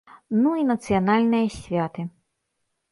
Ну, і нацыянальныя святы.